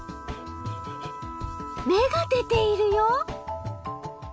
芽が出ているよ！